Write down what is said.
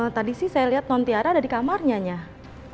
tadi sih saya lihat non tiara ada di kamarnya nih